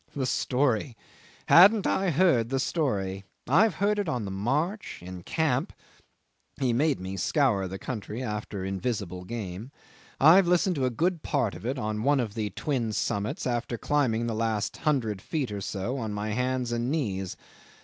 'The story! Haven't I heard the story? I've heard it on the march, in camp (he made me scour the country after invisible game); I've listened to a good part of it on one of the twin summits, after climbing the last hundred feet or so on my hands and knees.